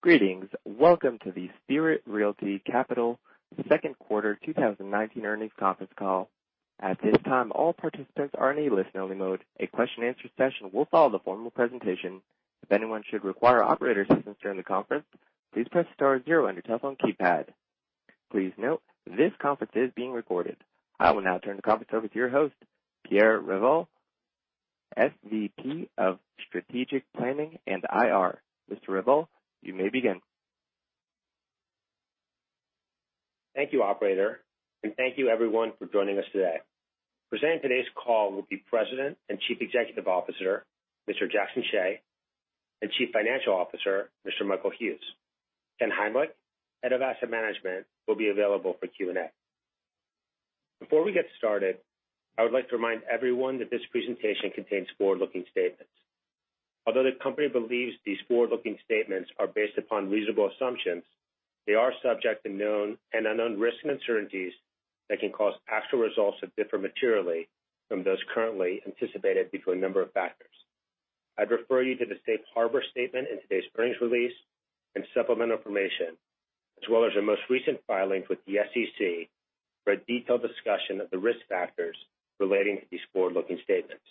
Greetings. Welcome to the Spirit Realty Capital Second Quarter 2019 Earnings Conference Call. At this time, all participants are in a listen-only mode. A question-answer session will follow the formal presentation. If anyone should require operator assistance during the conference, please press star zero on your telephone keypad. Please note this conference is being recorded. I will now turn the conference over to your host, Pierre Revol, SVP of Strategic Planning and IR. Mr. Revol, you may begin. Thank you, operator, and thank you everyone for joining us today. Presenting today's call will be President and Chief Executive Officer, Mr. Jackson Hsieh, and Chief Financial Officer, Mr. Michael Hughes. Ken Heimlich, Head of Asset Management, will be available for Q&A. Before we get started, I would like to remind everyone that this presentation contains forward-looking statements. Although the company believes these forward-looking statements are based upon reasonable assumptions, they are subject to known and unknown risks and uncertainties that can cause actual results to differ materially from those currently anticipated due to a number of factors. I'd refer you to the safe harbor statement in today's earnings release and supplemental information, as well as our most recent filings with the SEC for a detailed discussion of the risk factors relating to these forward-looking statements.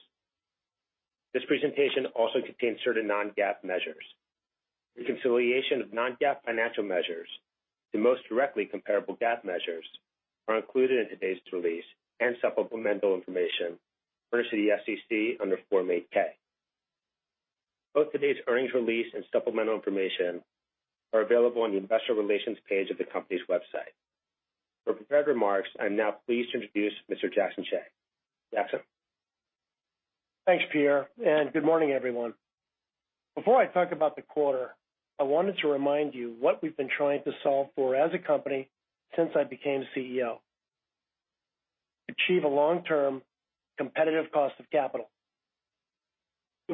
This presentation also contains certain non-GAAP measures. The reconciliation of non-GAAP financial measures to most directly comparable GAAP measures are included in today's release and supplemental information versus the SEC under Form 8-K. Both today's earnings release and supplemental information are available on the investor relations page of the company's website. For prepared remarks, I'm now pleased to introduce Mr. Jackson Hsieh. Jackson. Thanks, Pierre, good morning, everyone. Before I talk about the quarter, I wanted to remind you what we've been trying to solve for as a company since I became the CEO. You'll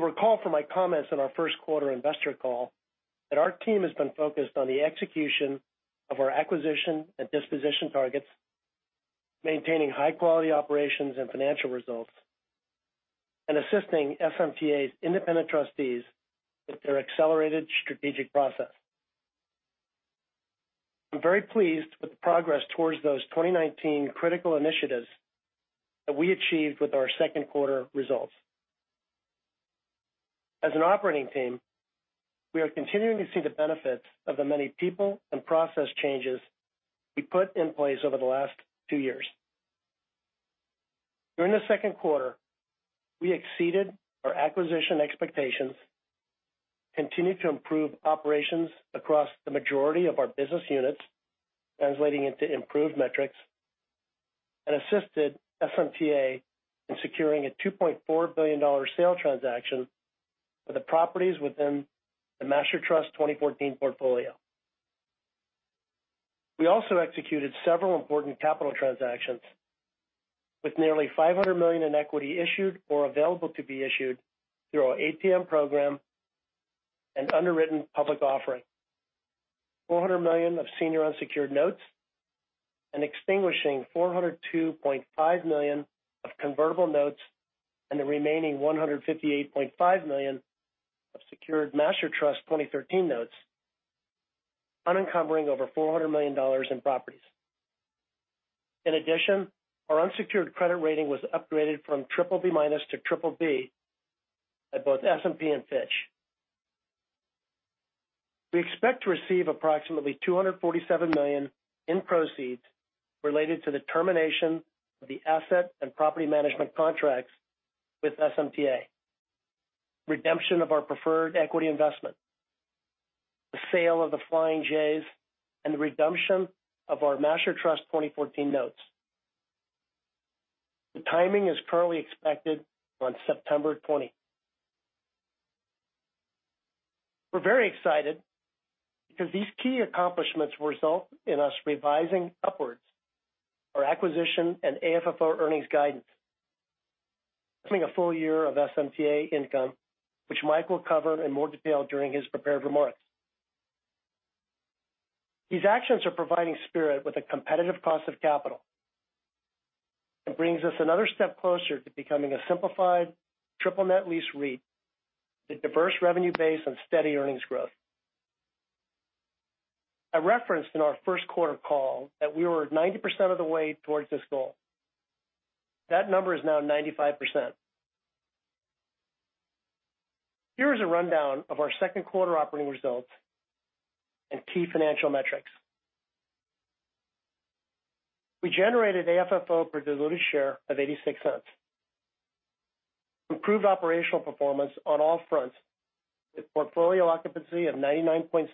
recall from my comments on our first quarter investor call that our team has been focused on the execution of our acquisition and disposition targets, maintaining high-quality operations and financial results, and assisting SMTA's independent trustees with their accelerated strategic process. I'm very pleased with the progress towards those 2019 critical initiatives that we achieved with our second quarter results. As an operating team, we are continuing to see the benefits of the many people and process changes we put in place over the last two years. During the second quarter, we exceeded our acquisition expectations, continued to improve operations across the majority of our business units, translating into improved metrics, and assisted SMTA in securing a $2.4 billion sale transaction for the properties within the Master Trust 2014 portfolio. We also executed several important capital transactions with nearly $500 million in equity issued or available to be issued through our ATM program and underwritten public offering, $400 million of senior unsecured notes, and extinguishing $402.5 million of convertible notes, and the remaining $158.5 million of secured Master Trust 2013 notes, unencumbering over $400 million in properties. In addition, our unsecured credit rating was upgraded from BBB- to BBB at both S&P and Fitch. We expect to receive approximately $247 million in proceeds related to the termination of the asset and property management contracts with SMTA, redemption of our preferred equity investment, the sale of the Flying J's, and the redemption of our Master Trust 2014 notes. The timing is currently expected on September 20. We're very excited because these key accomplishments result in us revising upwards our acquisition and AFFO earnings guidance, including a full year of SMTA income, which Mike will cover in more detail during his prepared remarks. These actions are providing Spirit with a competitive cost of capital. It brings us another step closer to becoming a simplified triple net lease REIT with diverse revenue base and steady earnings growth. I referenced in our first quarter call that we were 90% of the way towards this goal. That number is now 95%. Here is a rundown of our second quarter operating results and key financial metrics. We generated AFFO per diluted share of $0.86. Improved operational performance on all fronts with portfolio occupancy of 99.6%,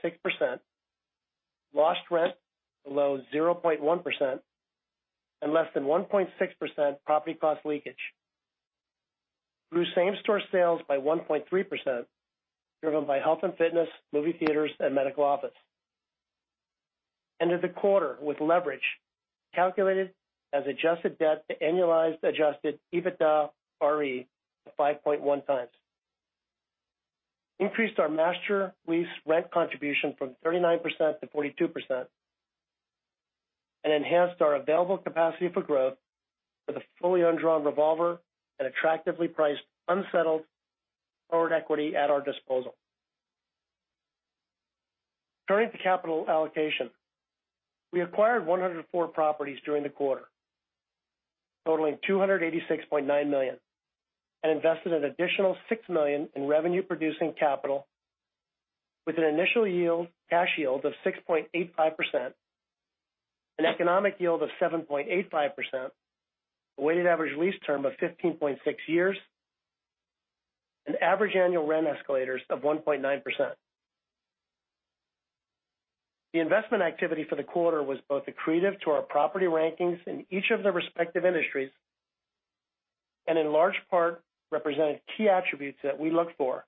lost rent below 0.1%, and less than 1.6% property cost leakage. Grew same store sales by 1.3%, driven by health and fitness, movie theaters, and medical office. Ended the quarter with leverage calculated as adjusted debt to annualized adjusted EBITDARE of 5.1 times. Increased our master lease rent contribution from 39% to 42%. Enhanced our available capacity for growth with a fully undrawn revolver and attractively priced unsettled forward equity at our disposal. Turning to capital allocation. We acquired 104 properties during the quarter, totaling $286.9 million, and invested an additional $6 million in revenue-producing capital with an initial cash yield of 6.85%, an economic yield of 7.85%, a weighted average lease term of 15.6 years, and average annual rent escalators of 1.9%. The investment activity for the quarter was both accretive to our property rankings in each of their respective industries, and in large part represented key attributes that we look for,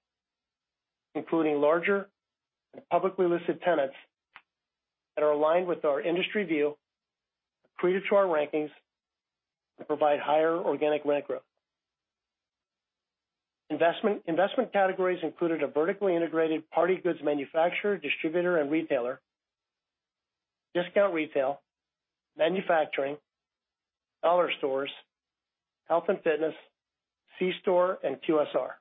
including larger and publicly listed tenants that are aligned with our industry view, accretive to our rankings, and provide higher organic rent growth. Investment categories included a vertically integrated party goods manufacturer, distributor, and retailer, discount retail, manufacturing, dollar stores, health and fitness, C store, and QSR.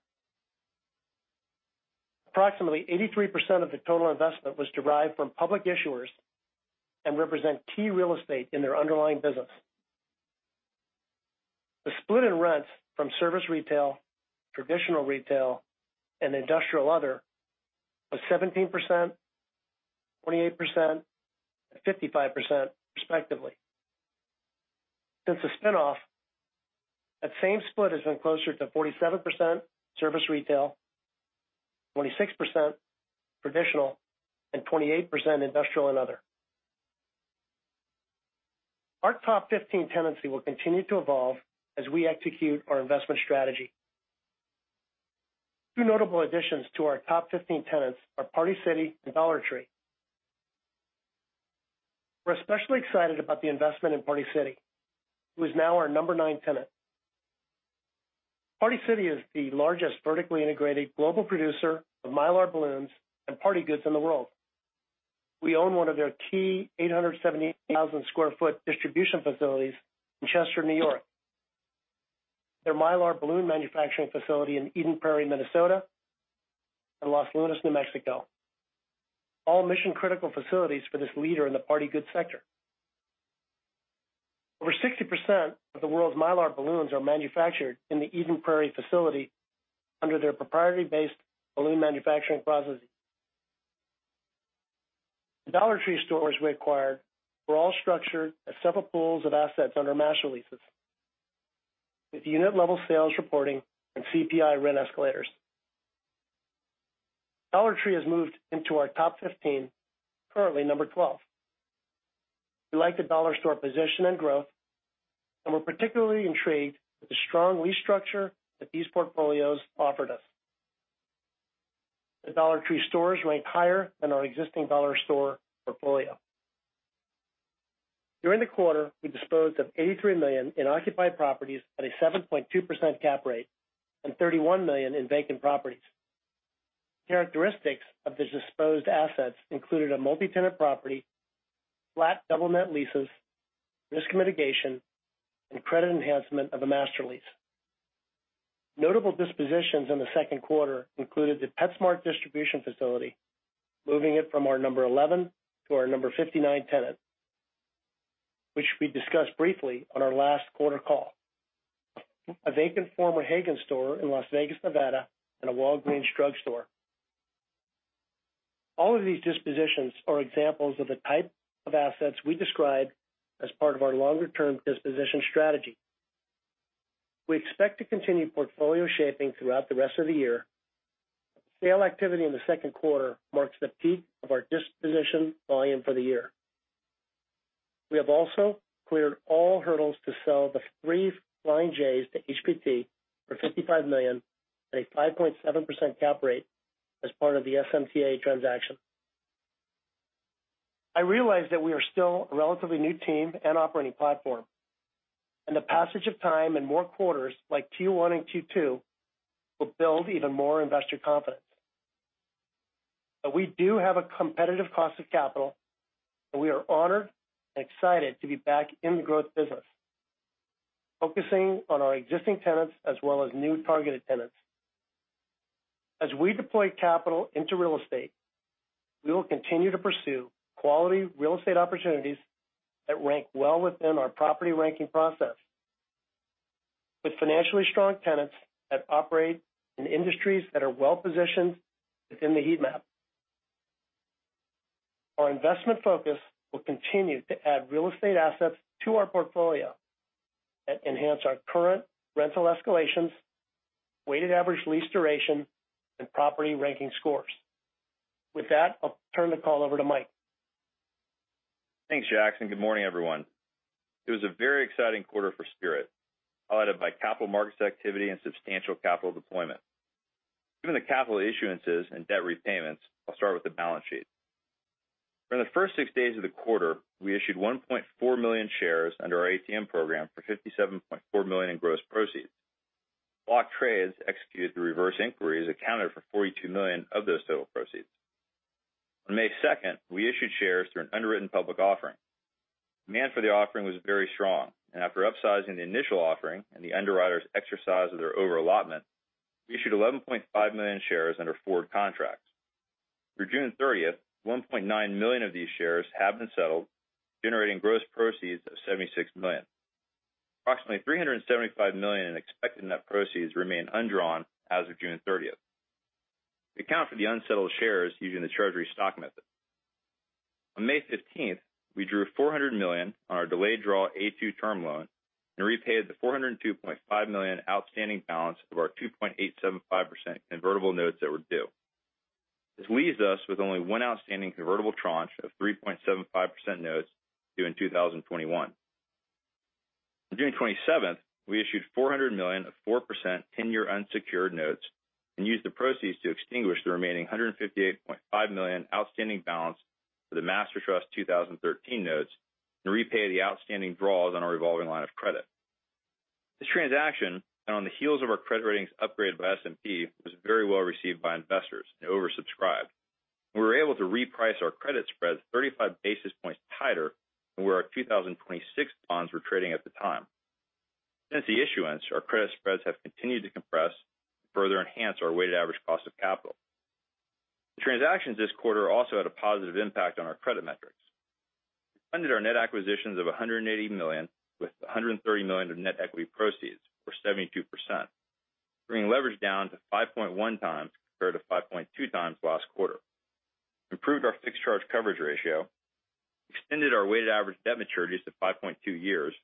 Approximately 83% of the total investment was derived from public issuers and represent key real estate in their underlying business. The split in rents from service retail, traditional retail, and industrial other was 17%, 28%, and 55% respectively. Since the spin-off, that same split has been closer to 47% service retail, 26% traditional, and 28% industrial and other. Our top 15 tenancy will continue to evolve as we execute our investment strategy. Two notable additions to our top 15 tenants are Party City and Dollar Tree. We're especially excited about the investment in Party City, who is now our number 9 tenant. Party City is the largest vertically integrated global producer of Mylar balloons and party goods in the world. We own one of their key 878,000 square foot distribution facilities in Chester, New York, their Mylar balloon manufacturing facility in Eden Prairie, Minnesota, and Los Lunas, New Mexico, all mission-critical facilities for this leader in the party goods sector. Over 60% of the world's Mylar balloons are manufactured in the Eden Prairie facility under their proprietary-based balloon manufacturing process. The Dollar Tree stores we acquired were all structured as separate pools of assets under master leases with unit level sales reporting and CPI rent escalators. Dollar Tree has moved into our top 15, currently number 12. We like the Dollar Tree position and growth, and we're particularly intrigued with the strong lease structure that these portfolios offered us. The Dollar Tree stores rank higher than our existing Dollar Tree portfolio. During the quarter, we disposed of $83 million in occupied properties at a 7.2% cap rate and $31 million in vacant properties. Characteristics of the disposed assets included a multi-tenant property, flat double net leases, risk mitigation, and credit enhancement of a master lease. Notable dispositions in the second quarter included the PetSmart distribution facility, moving it from our number 11 to our number 59 tenant, which we discussed briefly on our last quarter call. A vacant former Haggen store in Las Vegas, Nevada, and a Walgreens drugstore. All of these dispositions are examples of the type of assets we describe as part of our longer-term disposition strategy. We expect to continue portfolio shaping throughout the rest of the year. Sale activity in the second quarter marks the peak of our disposition volume for the year. We have also cleared all hurdles to sell the three Flying J's to HPT for $55 million at a 5.7% cap rate as part of the SMTA transaction. I realize that we are still a relatively new team and operating platform, and the passage of time and more quarters like Q1 and Q2 will build even more investor confidence. We do have a competitive cost of capital, and we are honored and excited to be back in the growth business, focusing on our existing tenants as well as new targeted tenants. As we deploy capital into real estate, we will continue to pursue quality real estate opportunities that rank well within our property ranking process with financially strong tenants that operate in industries that are well-positioned within the heat map. Our investment focus will continue to add real estate assets to our portfolio that enhance our current rental escalations, weighted average lease duration, and property ranking scores. With that, I'll turn the call over to Mike. Thanks, Jackson. Good morning, everyone. It was a very exciting quarter for Spirit, highlighted by capital markets activity and substantial capital deployment. Given the capital issuances and debt repayments, I'll start with the balance sheet. During the first six days of the quarter, we issued 1.4 million shares under our ATM program for $57.4 million in gross proceeds. Block trades executed through reverse inquiries accounted for $42 million of those total proceeds. On May 2nd, we issued shares through an underwritten public offering. Demand for the offering was very strong. After upsizing the initial offering and the underwriters' exercise of their over-allotment, we issued 11.5 million shares under forward contracts. Through June 30th, 1.9 million of these shares have been settled, generating gross proceeds of $76 million. Approximately $375 million in expected net proceeds remain undrawn as of June 30th. We account for the unsettled shares using the treasury stock method. On May 15th, we drew $400 million on our delayed draw A-2 term loan and repaid the $402.5 million outstanding balance of our 2.875% convertible notes that were due. This leaves us with only one outstanding convertible tranche of 3.75% notes due in 2021. On June 27th, we issued $400 million of 4% 10-year unsecured notes and used the proceeds to extinguish the remaining $158.5 million outstanding balance for the Master Trust 2013 notes and repay the outstanding draws on our revolving line of credit. This transaction, and on the heels of our credit ratings upgrade by S&P, was very well received by investors and oversubscribed. We were able to reprice our credit spreads 35 basis points tighter than where our 2026 bonds were trading at the time. Since the issuance, our credit spreads have continued to compress to further enhance our weighted average cost of capital. The transactions this quarter also had a positive impact on our credit metrics. We funded our net acquisitions of $180 million with $130 million of net equity proceeds for 72%, bringing leverage down to 5.1 times compared to 5.2 times last quarter. Improved our fixed charge coverage ratio, extended our weighted average debt maturities to 5.2 years,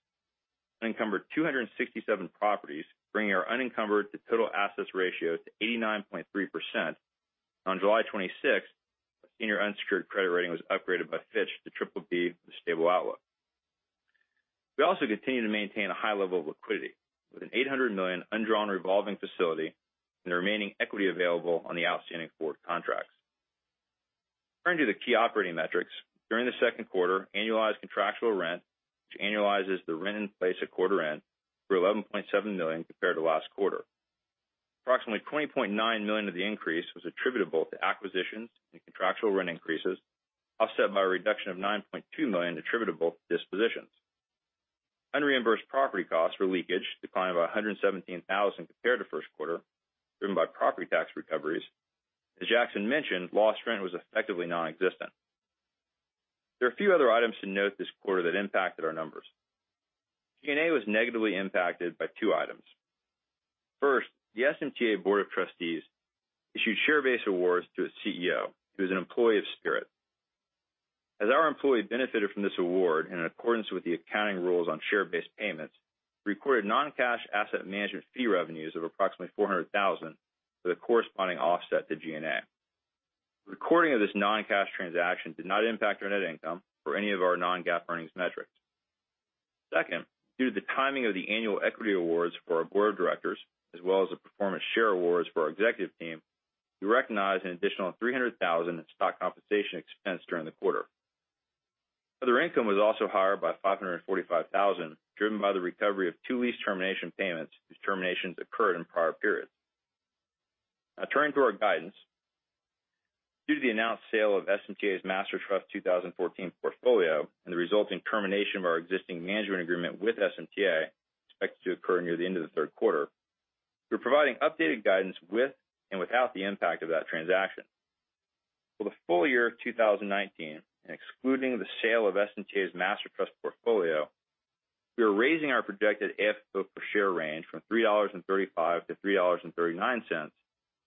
unencumbered 267 properties, bringing our unencumbered to total assets ratio to 89.3%. On July 26th, our senior unsecured credit rating was upgraded by Fitch to BBB with a stable outlook. We also continue to maintain a high level of liquidity with an $800 million undrawn revolving facility and the remaining equity available on the outstanding board contracts. Turning to the key operating metrics. During the second quarter, annualized contractual rent, which annualizes the rent in place at quarter end, grew to $11.7 million compared to last quarter. Approximately $20.9 million of the increase was attributable to acquisitions and contractual rent increases, offset by a reduction of $9.2 million attributable to dispositions. Unreimbursed property costs or leakage declined by $117,000 compared to first quarter, driven by property tax recoveries. As Jackson mentioned, lost rent was effectively nonexistent. There are a few other items to note this quarter that impacted our numbers. G&A was negatively impacted by two items. First, the SMTA Board of Trustees issued share-based awards to its CEO, who is an employee of Spirit. As our employee benefited from this award and in accordance with the accounting rules on share-based payments, we recorded non-cash asset management fee revenues of approximately $400,000 with a corresponding offset to G&A. The recording of this non-cash transaction did not impact our net income or any of our non-GAAP earnings metrics. Second, due to the timing of the annual equity awards for our board of directors as well as the performance share awards for our executive team, we recognized an additional $300,000 in stock compensation expense during the quarter. Other income was also higher by $545,000, driven by the recovery of two lease termination payments whose terminations occurred in prior periods. Turning to our guidance. Due to the announced sale of SMTA's Master Trust 2014 portfolio and the resulting termination of our existing management agreement with SMTA, expected to occur near the end of the third quarter, we're providing updated guidance with and without the impact of that transaction. For the full year of 2019 and excluding the sale of SMTA's Master Trust portfolio, we are raising our projected AFFO per share range from $3.35-$3.39 to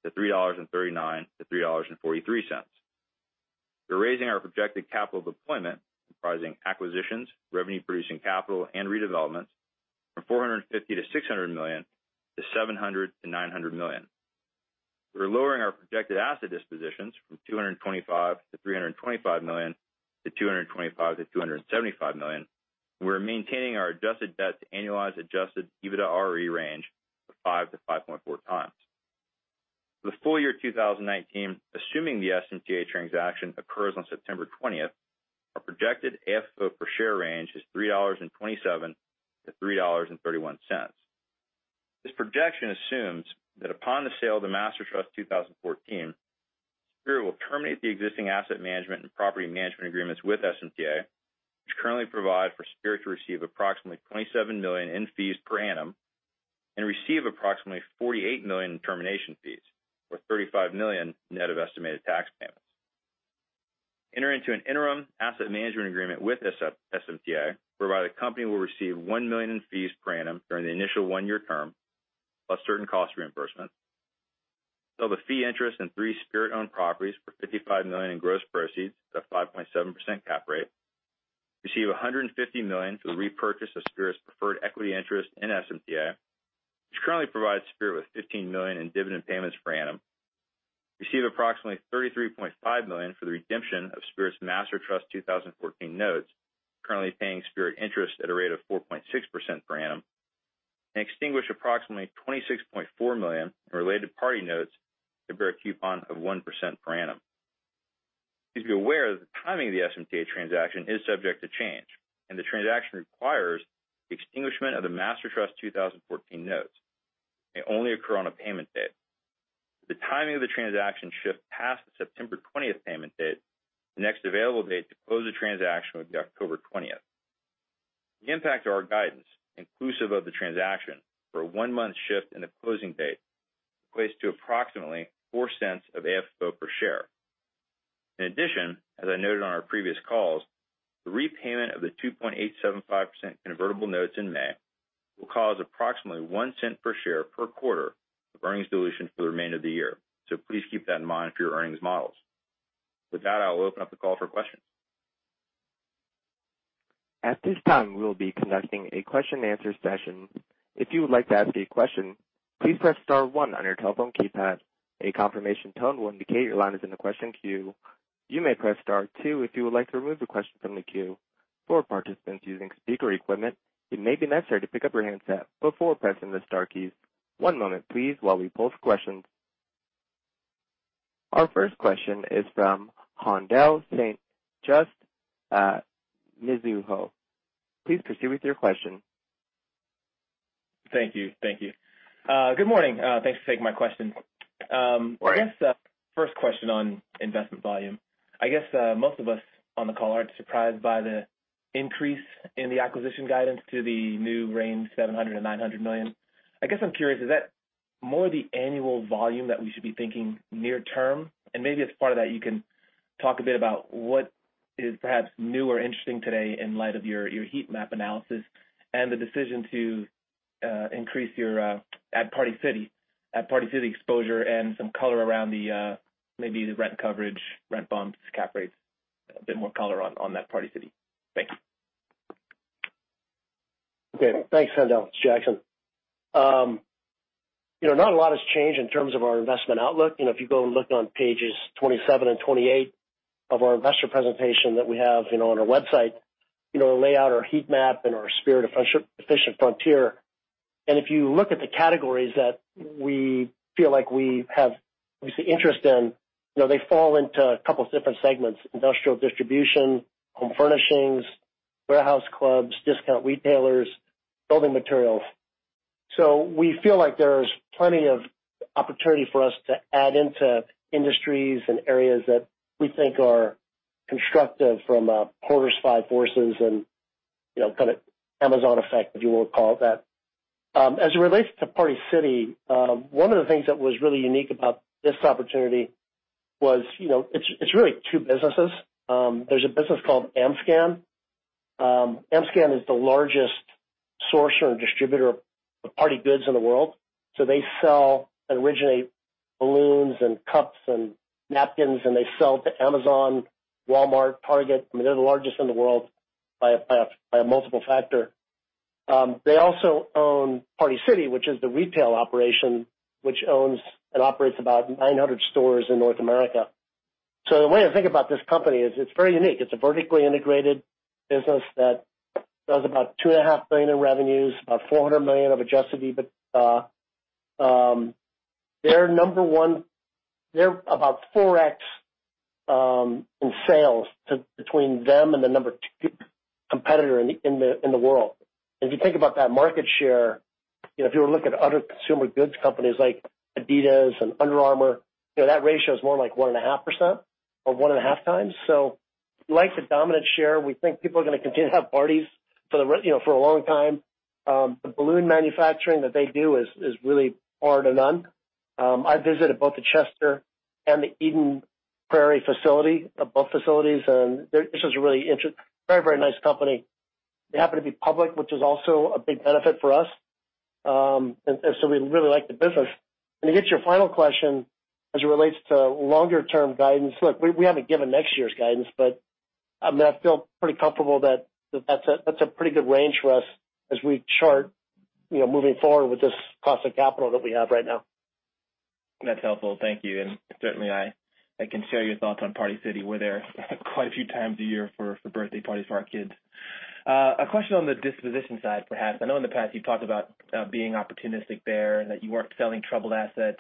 $3.39-$3.43. We're raising our projected capital deployment comprising acquisitions, revenue-producing capital, and redevelopments from $450 million-$600 million to $700 million-$900 million. We're lowering our projected asset dispositions from $225 million-$325 million to $225 million-$275 million. We're maintaining our adjusted debt to annualized adjusted EBITDARE range of 5-5.4 times. For the full year 2019, assuming the SMTA transaction occurs on September 20th, our projected AFFO per share range is $3.27-$3.31. This projection assumes that upon the sale of the Master Trust 2014, Spirit will terminate the existing asset management and property management agreements with SMTA, which currently provide for Spirit to receive approximately $27 million in fees per annum and receive approximately $48 million in termination fees, or $35 million net of estimated tax payments. Enter into an interim asset management agreement with SMTA, whereby the company will receive $1 million in fees per annum during the initial one-year term, plus certain cost reimbursement. Sell the fee interest in three Spirit-owned properties for $55 million in gross proceeds at a 5.7% cap rate. Receive $150 million for the repurchase of Spirit's preferred equity interest in SMTA, which currently provides Spirit with $15 million in dividend payments per annum. Receive approximately $33.5 million for the redemption of Spirit's Master Trust 2014 notes currently paying Spirit interest at a rate of 4.6% per annum. Extinguish approximately $26.4 million in related party notes that bear a coupon of 1% per annum. Please be aware that the timing of the SMTA transaction is subject to change, and the transaction requires extinguishment of the Master Trust 2014 Notes. They only occur on a payment date. If the timing of the transaction shifts past the September 20th payment date, the next available date to close the transaction would be October 20th. The impact to our guidance, inclusive of the transaction for a one-month shift in the closing date, equates to approximately $0.04 of AFFO per share. In addition, as I noted on our previous calls, the repayment of the 2.875% convertible notes in May will cause approximately $0.01 per share per quarter of earnings dilution for the remainder of the year. Please keep that in mind for your earnings models. With that, I will open up the call for questions. At this time, we will be conducting a question-and-answer session. If you would like to ask a question, please press star one on your telephone keypad. A confirmation tone will indicate your line is in the question queue. You may press star two if you would like to remove the question from the queue. For participants using speaker equipment, it may be necessary to pick up your handset before pressing the star keys. One moment please while we pose questions. Our first question is from Haendel St. Juste, Mizuho. Please proceed with your question. Thank you. Good morning. Thanks for taking my question. Right. I guess, first question on investment volume. I guess most of us on the call aren't surprised by the increase in the acquisition guidance to the new range, $700 million-$900 million. I guess I'm curious, is that more the annual volume that we should be thinking near term? Maybe as part of that, you can talk a bit about what is perhaps new or interesting today in light of your heat map analysis and the decision to increase your Party City exposure, and some color around maybe the rent coverage, rent bumps, cap rates. A bit more color on that Party City. Thank you. Okay. Thanks, Haendel. It's Jackson. Not a lot has changed in terms of our investment outlook. If you go and look on pages 27 and 28 of our investor presentation that we have on our website, we lay out our heat map and our Spirit efficient frontier. If you look at the categories that we feel like we have recent interest in, they fall into a couple different segments: industrial distribution, home furnishings, warehouse clubs, discount retailers, building materials. We feel like there's plenty of opportunity for us to add into industries and areas that we think are constructive from a Porter's Five Forces and kind of Amazon effect, if you want to call it that. As it relates to Party City, one of the things that was really unique about this opportunity was, it's really two businesses. There's a business called Amscan. Amscan is the largest sourcer and distributor of party goods in the world. They sell and originate balloons and cups and napkins, and they sell to Amazon, Walmart, Target. I mean, they're the largest in the world by a multiple factor. They also own Party City, which is the retail operation, which owns and operates about 900 stores in North America. The way I think about this company is it's very unique. It's a vertically integrated business that does about $2.5 billion in revenues, about $400 million of adjusted EBITDA. They're number 1. They're about 4x in sales to between them and the number 2 competitor in the world. If you think about that market share, if you were looking at other consumer goods companies like Adidas and Under Armour, that ratio is more like 1.5% or 1.5 times. We like the dominant share. We think people are going to continue to have parties for a long time. The balloon manufacturing that they do is really bar none. I visited both the Chester and the Eden Prairie facility, both facilities. This was a really interesting Very nice company. They happen to be public, which is also a big benefit for us. We really like the business. To get your final question as it relates to longer-term guidance. Look, we haven't given next year's guidance, but I mean, I feel pretty comfortable that that's a pretty good range for us as we chart moving forward with this cost of capital that we have right now. That's helpful. Thank you. Certainly, I can share your thoughts on Party City. We're there quite a few times a year for birthday parties for our kids. A question on the disposition side, perhaps. I know in the past you've talked about being opportunistic there and that you weren't selling troubled assets.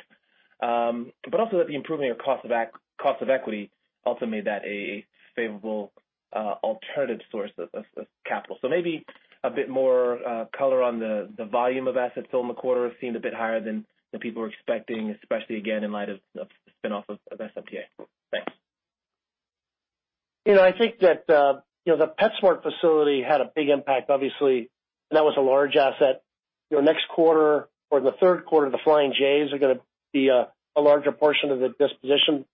Also that the improvement of your cost of equity also made that a favorable alternative source of capital. Maybe a bit more color on the volume of assets sold in the quarter. It seemed a bit higher than people were expecting, especially again, in light of the spin-off of SMTA. Thanks. I think that the PetSmart facility had a big impact, obviously, and that was a large asset. Next quarter or in the third quarter, the Flying J's are going to be a larger portion of the disposition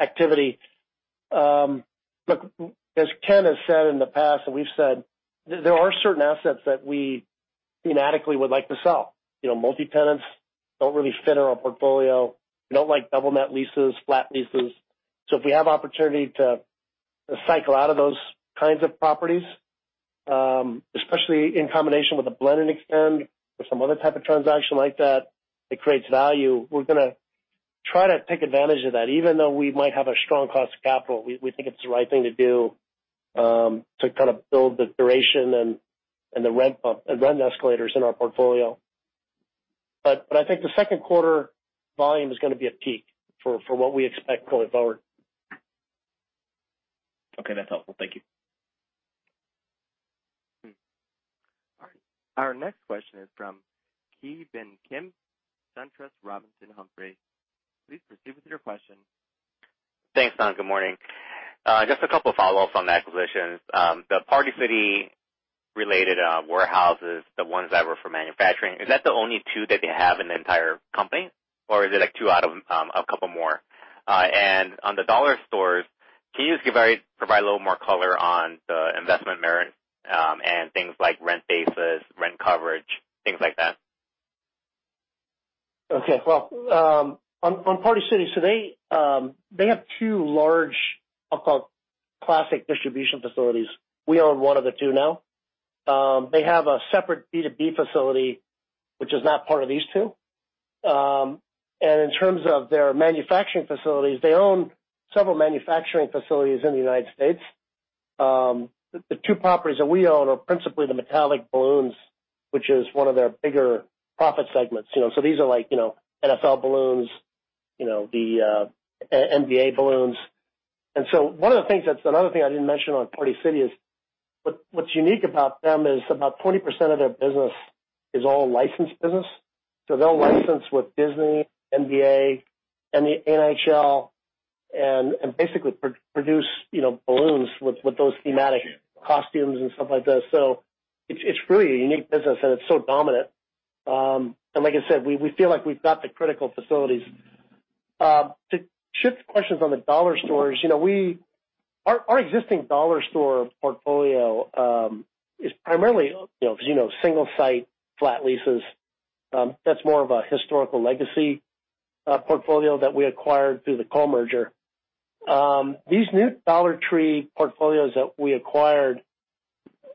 activity. As Ken has said in the past, and we've said, there are certain assets that we fanatically would like to sell. Multi-tenants don't really fit in our portfolio. We don't like double net leases, flat leases. If we have opportunity to cycle out of those kinds of properties, especially in combination with a blend and extend or some other type of transaction like that, it creates value. We're going to try to take advantage of that. Even though we might have a strong cost of capital, we think it's the right thing to do to kind of build the duration and the rent escalators in our portfolio. I think the second quarter volume is going to be a peak for what we expect going forward. Okay, that's helpful. Thank you. All right. Our next question is from Ki Bin Kim, SunTrust Robinson Humphrey. Please proceed with your question. Thanks, Don. Good morning. Just a couple of follow-ups on the acquisitions. The Party City related warehouses, the ones that were for manufacturing, is that the only two that they have in the entire company, or is it two out of a couple more? On the dollar stores, can you just provide a little more color on the investment merit, and things like rent basis, rent coverage, things like that? Okay. Well, on Party City, they have two large, I'll call it classic distribution facilities. We own one of the two now. They have a separate B2B facility, which is not part of these two. In terms of their manufacturing facilities, they own several manufacturing facilities in the United States. The two properties that we own are principally the metallic balloons, which is one of their bigger profit segments. These are like NFL balloons, the NBA balloons. One of the things that's another thing I didn't mention on Party City is, what's unique about them is about 20% of their business is all licensed business. They'll license with Disney, NBA, and the NHL, and basically produce balloons with those thematic costumes and stuff like that. It's really a unique business, and it's so dominant. Like I said, we feel like we've got the critical facilities. To shift questions on the dollar stores, our existing dollar store portfolio is primarily single site flat leases. That's more of a historical legacy portfolio that we acquired through the Cole merger. These new Dollar Tree portfolios that we acquired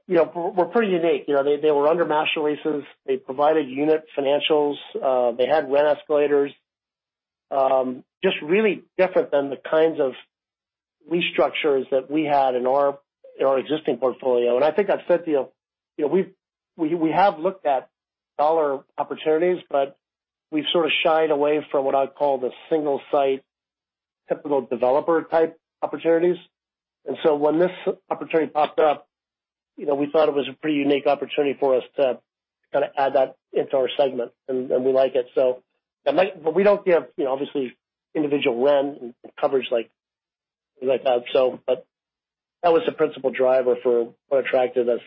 were pretty unique. They were under master leases. They provided unit financials. They had rent escalators. Just really different than the kinds of restructures that we had in our existing portfolio. I think I've said to you, we have looked at dollar opportunities, but we've sort of shied away from what I'd call the single site, typical developer type opportunities. When this opportunity popped up, we thought it was a pretty unique opportunity for us to kind of add that into our segment, and we like it. We don't give, obviously individual rent and coverage like that, but that was the principal driver for what attracted us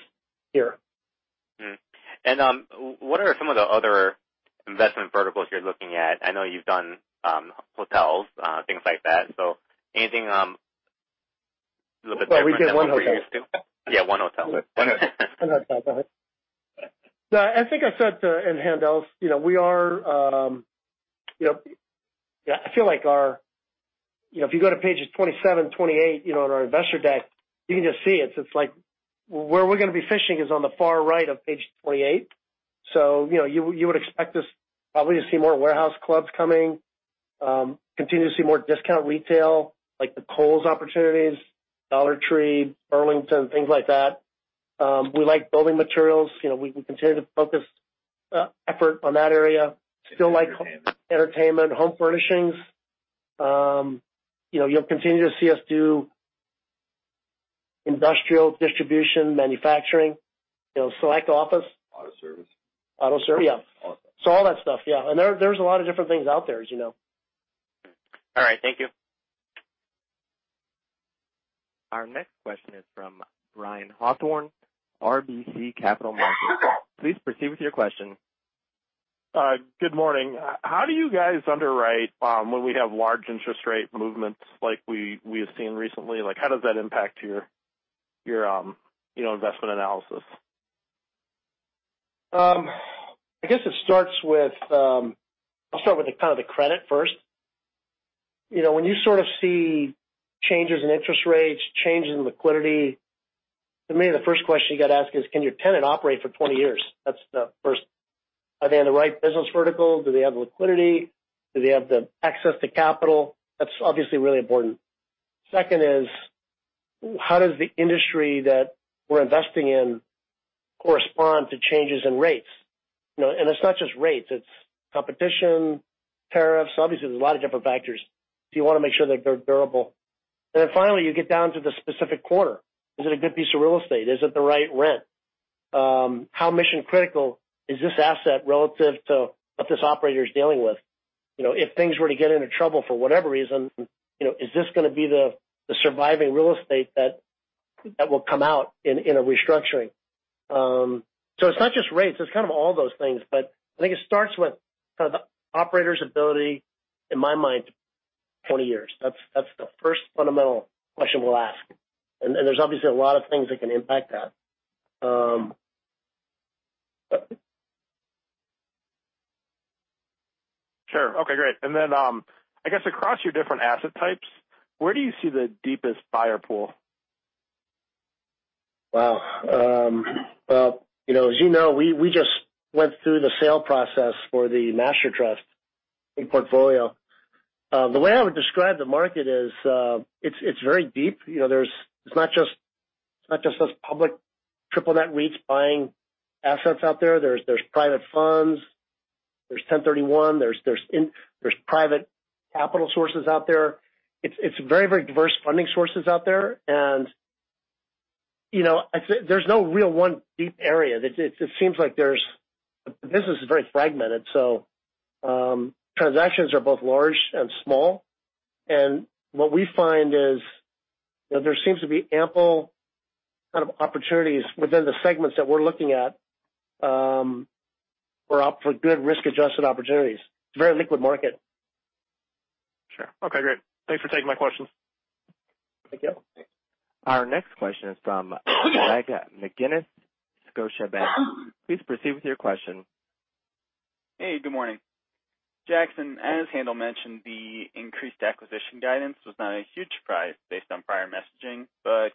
here. What are some of the other investment verticals you're looking at? I know you've done hotels, things like that. Anything a little bit different than what you're used to? Well, we did one hotel. Yeah, one hotel. One hotel. Go ahead. I think I said in Haendel's, I feel like if you go to pages 27, 28 in our investor deck, you can just see it. It's like where we're going to be fishing is on the far right of page 28. You would expect us probably to see more warehouse clubs coming, continue to see more discount retail like the Cole's opportunities, Dollar Tree, Burlington, things like that. We like building materials. We continue to focus effort on that area. Still like entertainment, home furnishings. You'll continue to see us do industrial distribution, manufacturing, select office. Auto service. Auto service. Awesome. All that stuff, yeah. There's a lot of different things out there, as you know. All right. Thank you. Our next question is from Ryan Hawthorne, RBC Capital Markets. Please proceed with your question. Good morning. How do you guys underwrite when we have large interest rate movements like we have seen recently? How does that impact your investment analysis? I guess I'll start with kind of the credit first. When you sort of see changes in interest rates, changes in liquidity, to me, the first question you got to ask is, can your tenant operate for 20 years? That's the first. Are they in the right business vertical? Do they have liquidity? Do they have the access to capital? That's obviously really important. Second is, how does the industry that we're investing in correspond to changes in rates? It's not just rates, it's competition, tariffs. Obviously, there's a lot of different factors. You want to make sure that they're durable. Finally, you get down to the specific quarter. Is it a good piece of real estate? Is it the right rent? How mission-critical is this asset relative to what this operator is dealing with? If things were to get into trouble for whatever reason, is this going to be the surviving real estate that will come out in a restructuring? It's not just rates, it's kind of all those things, but I think it starts with kind of the operator's ability, in my mind, 20 years. That's the first fundamental question we'll ask. There's obviously a lot of things that can impact that. Sure. Okay, great. I guess across your different asset types, where do you see the deepest buyer pool? Wow. Well, as you know, we just went through the sale process for the Master Trust in portfolio. The way I would describe the market is, it's very deep. It's not just us public triple net REITs buying assets out there. There's private funds, there's 1031, there's private capital sources out there. It's very diverse funding sources out there, and there's no real one deep area. It seems like the business is very fragmented, so transactions are both large and small. What we find is there seems to be ample opportunities within the segments that we're looking at for good risk-adjusted opportunities. It's a very liquid market. Sure. Okay, great. Thanks for taking my questions. Thank you. Our next question is from Greg McGinniss, Scotiabank. Please proceed with your question. Hey, good morning. Jackson, as Haendel mentioned, the increased acquisition guidance was not a huge surprise based on prior messaging.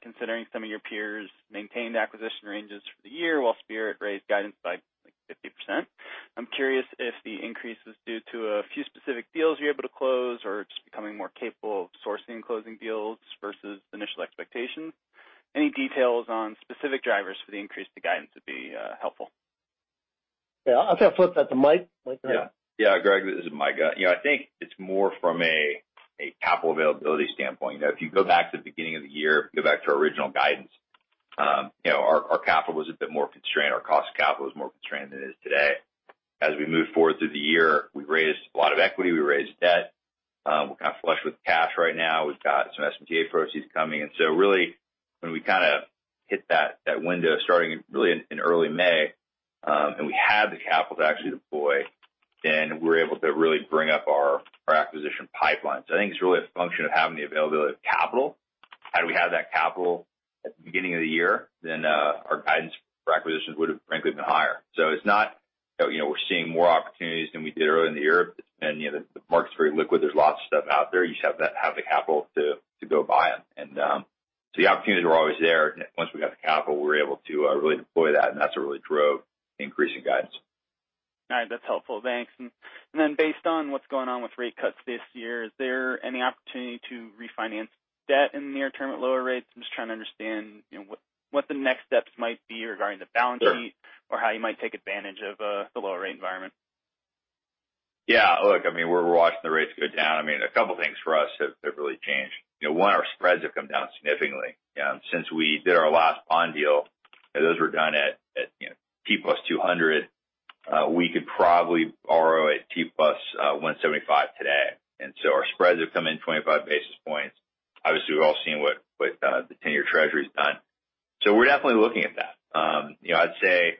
Considering some of your peers maintained acquisition ranges for the year, while Spirit raised guidance by 50%, I'm curious if the increase is due to a few specific deals you're able to close, or it's becoming more capable of sourcing closing deals versus initial expectations. Any details on specific drivers for the increase to guidance would be helpful. Yeah. I'll flip that to Mike. Mike, go ahead. Yeah. Greg, this is Mike. I think it's more from a capital availability standpoint. If you go back to the beginning of the year, go back to our original guidance, our capital was a bit more constrained. Our cost of capital was more constrained than it is today. As we moved forward through the year, we raised a lot of equity, we raised debt. We're kind of flush with cash right now. We've got some SMTA proceeds coming in. Really, when we kind of hit that window starting really in early May, and we had the capital to actually deploy, then we were able to really bring up our acquisition pipeline. I think it's really a function of having the availability of capital. Had we had that capital at the beginning of the year, our guidance for acquisitions would've frankly been higher. It's not we're seeing more opportunities than we did earlier in the year. It's been the market's very liquid. There's lots of stuff out there. You just have to have the capital to go buy them. The opportunities were always there. Once we got the capital, we were able to really deploy that, and that's what really drove the increase in guidance. All right. That's helpful. Thanks. Based on what's going on with rate cuts this year, is there any opportunity to refinance debt in the near term at lower rates? I'm just trying to understand what the next steps might be regarding the balance sheet or how you might take advantage of the lower rate environment. Yeah, look, we're watching the rates go down. A couple of things for us have really changed. One, our spreads have come down significantly since we did our last bond deal. Those were done at T+200. We could probably borrow at T+175 today. Our spreads have come in 25 basis points. Obviously, we've all seen what the 10-year Treasury's done. We're definitely looking at that. I'd say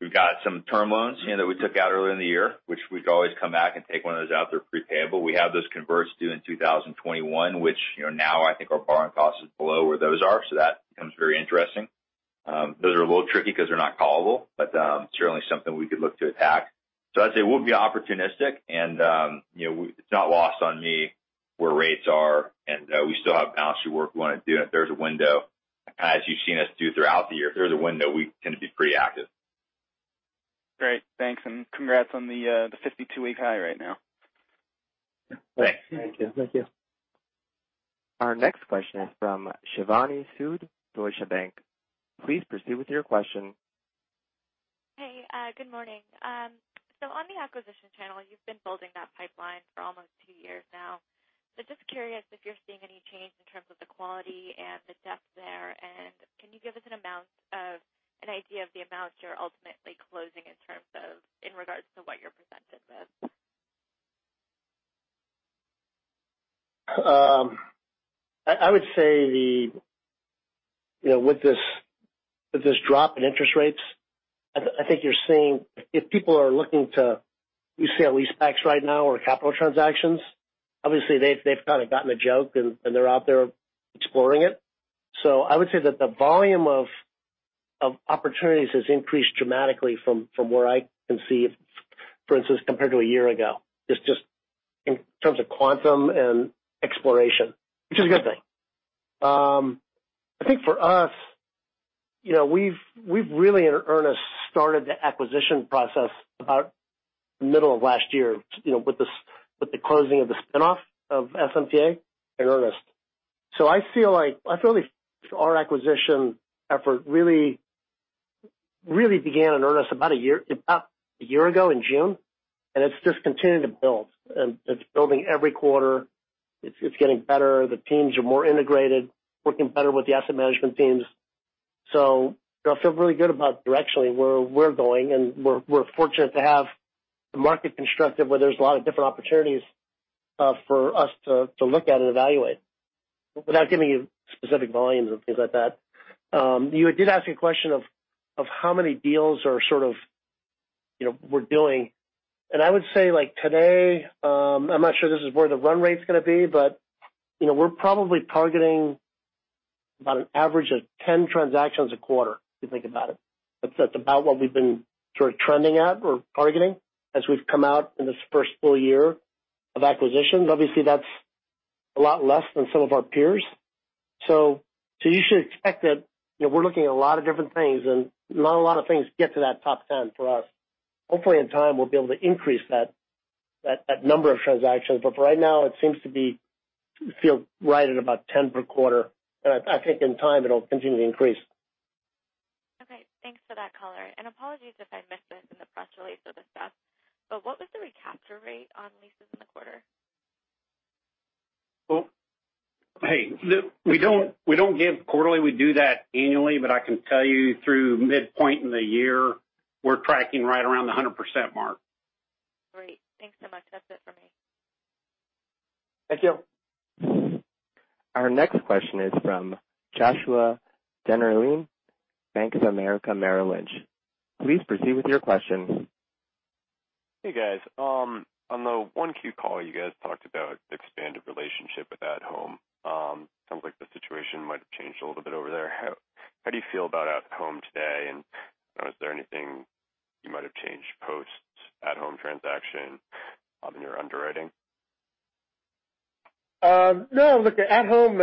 we've got some term loans that we took out earlier in the year, which we'd always come back and take one of those out. They're pre-payable. We have those converts due in 2021, which now I think our borrowing cost is below where those are. That becomes very interesting. Those are a little tricky because they're not callable, but certainly something we could look to attack. I'd say we'll be opportunistic and it's not lost on me where rates are, and we still have balance sheet work we want to do, and if there's a window, as you've seen us do throughout the year, if there's a window, we tend to be pretty active. Great. Thanks. Congrats on the 52-week high right now. Thanks. Thank you. Our next question is from Shivani Sood, Deutsche Bank. Please proceed with your question. Hey, good morning. On the acquisition channel, you've been building that pipeline for almost two years now. Just curious if you're seeing any change in terms of the quality and the depth there, and can you give us an idea of the amounts you're ultimately closing in regards to what you're presented with? I would say with this drop in interest rates, I think you're seeing if people are looking to lease backs right now or capital transactions, obviously they've kind of gotten the joke and they're out there exploring it. I would say that the volume of opportunities has increased dramatically from where I can see, for instance, compared to a year ago, just in terms of quantum and exploration, which is a good thing. I think for us, we've really in earnest started the acquisition process about the middle of last year, with the closing of the spin-off of SMTA in earnest. I feel like our acquisition effort really began in earnest about a year ago in June, and it's just continuing to build, and it's building every quarter. It's getting better. The teams are more integrated, working better with the asset management teams. I feel really good about directionally where we're going, and we're fortunate to have the market constructive where there's a lot of different opportunities for us to look at and evaluate without giving you specific volumes and things like that. You did ask me a question of how many deals we're doing, and I would say like today, I'm not sure this is where the run rate's going to be, but we're probably targeting about an average of 10 transactions a quarter, if you think about it. That's about what we've been sort of trending at or targeting as we've come out in this first full year of acquisitions. Obviously, that's a lot less than some of our peers. You should expect that we're looking at a lot of different things, and not a lot of things get to that top 10 for us. Hopefully, in time, we'll be able to increase that number of transactions. For right now, it seems to feel right at about 10 per quarter, and I think in time it'll continue to increase. Okay. Thanks for that color. Apologies if I missed this in the press release or the stuff, but what was the recapture rate on leases in the quarter? Hey, look, we don't give quarterly, we do that annually, but I can tell you through midpoint in the year, we're tracking right around the 100% mark. Great. Thanks so much. That's it for me. Thank you. Our next question is from Joshua Dennerlein, Bank of America, Merrill Lynch. Please proceed with your questions. Hey, guys. On the 1Q call, you guys talked about expanded relationship with At Home. Sounds like the situation might have changed a little bit over there. How do you feel about At Home today, and is there anything you might have changed post At Home transaction in your underwriting? No. Look, At Home,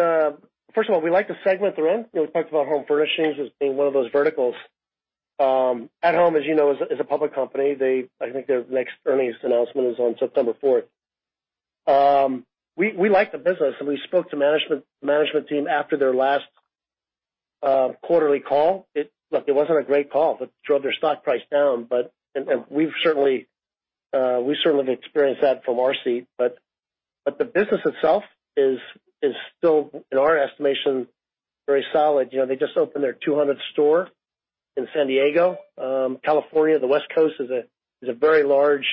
first of all, we like the segment they're in. We talked about home furnishings as being one of those verticals. At Home, as you know, is a public company. I think their next earnings announcement is on September fourth. We like the business, and we spoke to management team after their last quarterly call. Look, it wasn't a great call, but drove their stock price down. We've certainly experienced that from our seat. The business itself is still, in our estimation, very solid. They just opened their 200th store in San Diego. California, the West Coast is a very large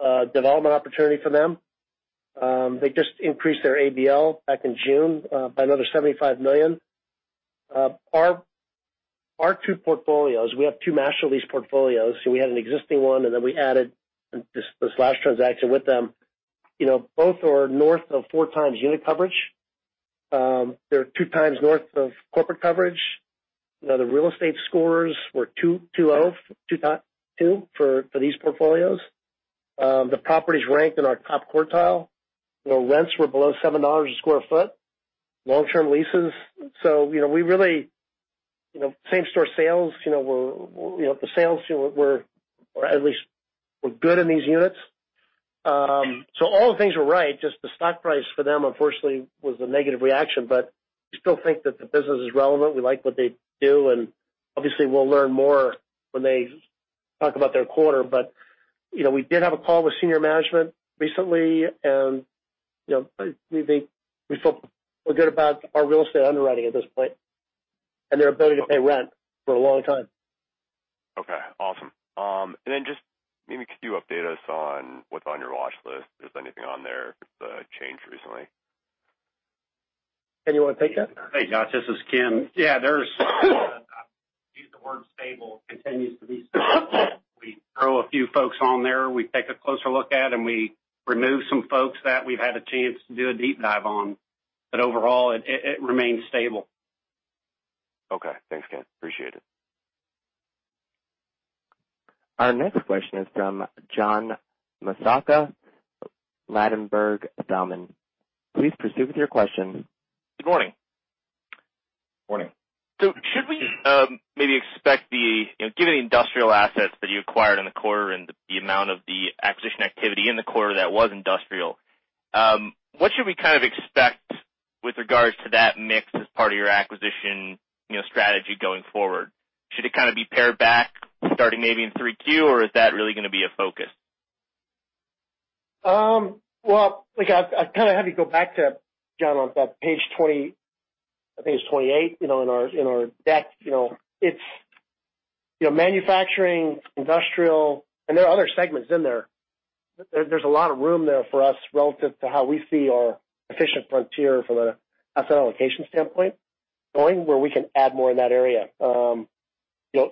development opportunity for them. They just increased their ABL back in June by another $75 million. Our two portfolios, we have two master lease portfolios, so we had an existing one, and then we added this last transaction with them. Both are north of four times unit coverage. They're two times north of corporate coverage. The real estate scores were 2 for these portfolios. The properties ranked in our top quartile. Rents were below $7 a sq ft, long-term leases. Same store sales were good in these units. All things were right, just the stock price for them, unfortunately, was a negative reaction, we still think that the business is relevant. We like what they do, obviously, we'll learn more when they talk about their quarter. We did have a call with senior management recently, we feel good about our real estate underwriting at this point and their ability to pay rent for a long time. Okay, awesome. Then just maybe could you update us on what's on your watch list? Is there anything on there that changed recently? Ken, you want to take that? Hey, Josh, this is Ken. Yeah. There's use the word stable, continues to be stable. We throw a few folks on there, we take a closer look at, and we remove some folks that we've had a chance to do a deep dive on. Overall, it remains stable. Okay. Thanks, Ken. Appreciate it. Our next question is from John Massocca, Ladenburg Thalmann. Please proceed with your question. Good morning. Morning. Should we maybe expect given the industrial assets that you acquired in the quarter and the amount of the acquisition activity in the quarter that was industrial, what should we kind of expect with regards to that mix as part of your acquisition strategy going forward? Should it kind of be pared back, starting maybe in 3Q, or is that really going to be a focus? Well, look, I kind of have you go back to, John, on page 20, I think it's 28 in our deck. It's manufacturing, industrial, and there are other segments in there. There's a lot of room there for us relative to how we see our efficient frontier from an asset allocation standpoint going where we can add more in that area.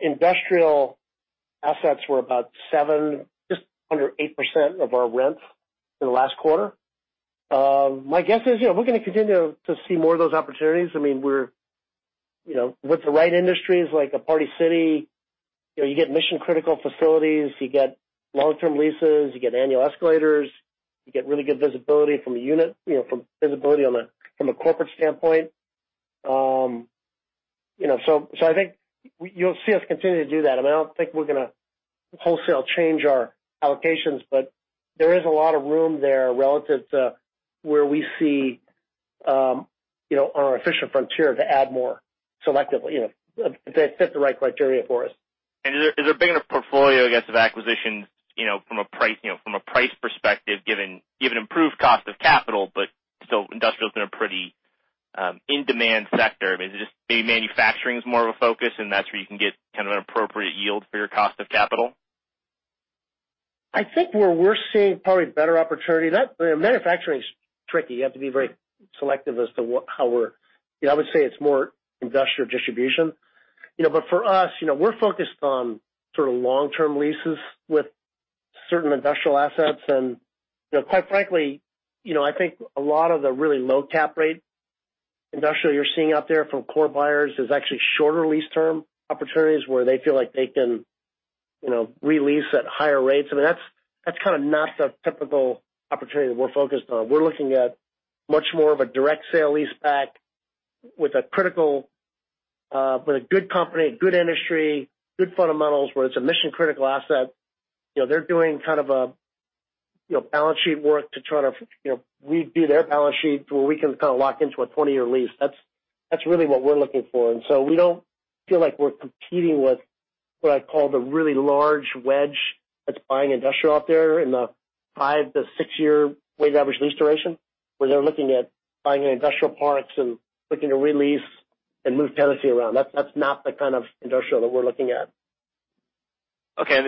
Industrial assets were about seven, just under 8% of our rents in the last quarter. My guess is we're going to continue to see more of those opportunities. With the right industries like a Party City, you get mission-critical facilities, you get long-term leases, you get annual escalators, you get really good visibility from a corporate standpoint. I think you'll see us continue to do that. I don't think we're going to wholesale change our allocations, but there is a lot of room there relative to where we see on our efficient frontier to add more selectively if they fit the right criteria for us. Is there a big enough portfolio, I guess, of acquisitions from a price perspective, given improved cost of capital, but still industrial's in a pretty in-demand sector. Maybe manufacturing is more of a focus and that's where you can get kind of an appropriate yield for your cost of capital? I think where we're seeing probably better opportunity. Manufacturing is tricky. You have to be very selective as to how. I would say it's more industrial distribution. For us, we're focused on sort of long-term leases with certain industrial assets. Quite frankly, I think a lot of the really low cap rate industrial you're seeing out there from core buyers is actually shorter lease term opportunities where they feel like they can re-lease at higher rates. I mean, that's kind of not the typical opportunity that we're focused on. We're looking at much more of a direct sale leaseback with a critical A good company, a good industry, good fundamentals, where it's a mission-critical asset. They're doing kind of a balance sheet work to try to redo their balance sheet to where we can lock into a 20-year lease. That's really what we're looking for. We don't feel like we're competing with what I call the really large wedge that's buying industrial out there in the five- to six-year weighted average lease duration, where they're looking at buying industrial parks and looking to re-lease and move tenancy around. That's not the kind of industrial that we're looking at. Okay.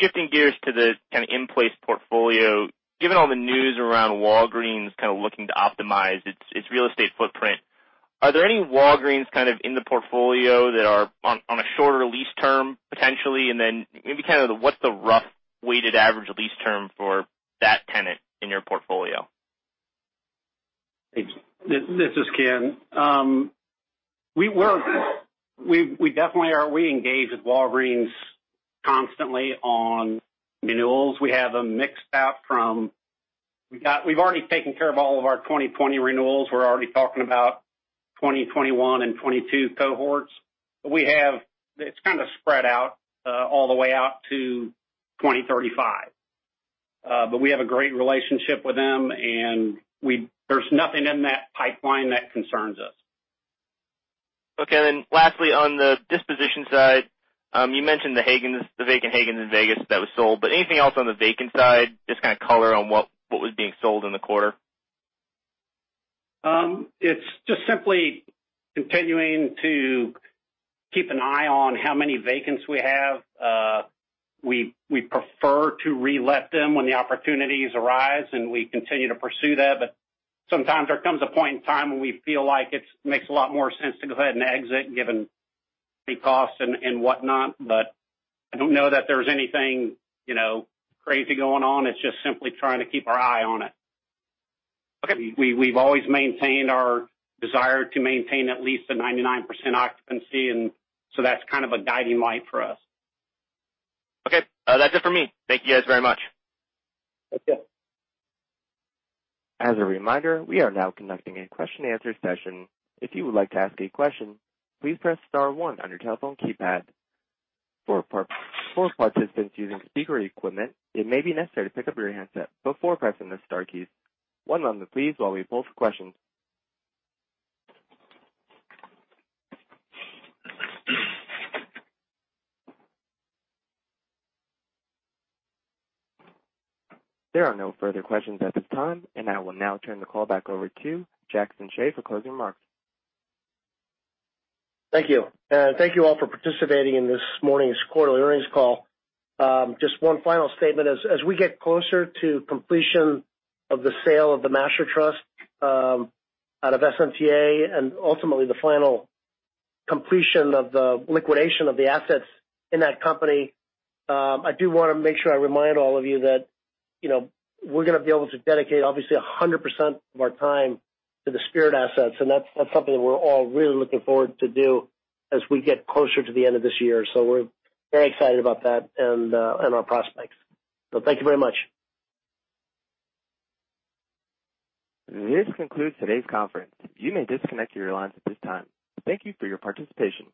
Shifting gears to the kind of in-place portfolio. Given all the news around Walgreens kind of looking to optimize its real estate footprint, are there any Walgreens kind of in the portfolio that are on a shorter lease term, potentially? Maybe kind of what's the rough weighted average lease term for that tenant in your portfolio? This is Ken. We definitely are engaged with Walgreens constantly on renewals. We've already taken care of all of our 2020 renewals. We're already talking about 2021 and 2022 cohorts. It's kind of spread out all the way out to 2035. We have a great relationship with them, and there's nothing in that pipeline that concerns us. Lastly, on the disposition side, you mentioned the vacant Haggen in Vegas that was sold. Anything else on the vacant side? Just kind of color on what was being sold in the quarter. It's just simply continuing to keep an eye on how many vacants we have. We prefer to relet them when the opportunities arise, and we continue to pursue that. Sometimes there comes a point in time when we feel like it makes a lot more sense to go ahead and exit, given the costs and whatnot. I don't know that there's anything crazy going on. It's just simply trying to keep our eye on it. Okay. We've always maintained our desire to maintain at least a 99% occupancy, and so that's kind of a guiding light for us. Okay. That's it for me. Thank you guys very much. Thank you. As a reminder, we are now conducting a question and answer session. If you would like to ask a question, please press star one on your telephone keypad. For participants using speaker equipment, it may be necessary to pick up your handset before pressing the star keys. One moment please while we pull for questions. There are no further questions at this time, and I will now turn the call back over to Jackson Hsieh for closing remarks. Thank you. Thank you all for participating in this morning's quarterly earnings call. Just one final statement. As we get closer to completion of the sale of the Master Trust out of SMTA and ultimately the final completion of the liquidation of the assets in that company, I do want to make sure I remind all of you that we're going to be able to dedicate obviously 100% of our time to the Spirit assets, and that's something that we're all really looking forward to do as we get closer to the end of this year. We're very excited about that and our prospects. Thank you very much. This concludes today's conference. You may disconnect your lines at this time. Thank you for your participation.